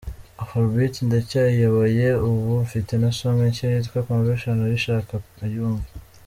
Afrobeat ndacyayiyoboye ubu mfite na song nshya yitwa Convention uyishake uyumve .